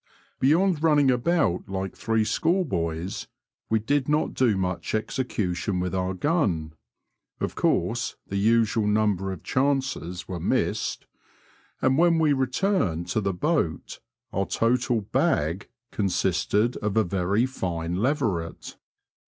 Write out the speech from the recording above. Beyond running about like three schoolboys, we did not do much execution with our gun (of course the usual number of chances were missed), and when we returned to the boat our total " bag " consisted of a very fine leveret.